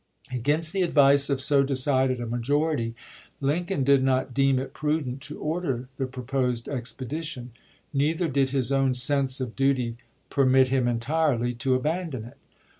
Against the advice of so decided a majority, Lincoln did not deem it prudent to order the pro posed expedition. Neither did his own sense of duty permit him entirely to abandon it.